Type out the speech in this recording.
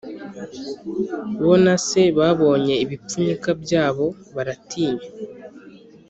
bo na se babonye ibipfunyika byabo baratinya